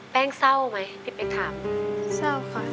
แป้งเศร้าไหมพี่เป็คถามเศร้าค่ะ